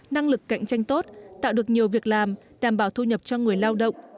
năng lực cạnh tranh tốt tạo được nhiều việc làm đảm bảo thu nhập cho người lao động